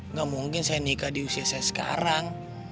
nggak mungkin saya nikah di usia saya sekarang